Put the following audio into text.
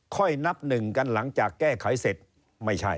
ค่อยนับหนึ่งกันหลังจากแก้ไขเสร็จ